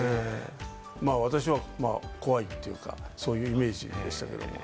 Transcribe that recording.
私は怖いというか、そういうイメージでしたけれども。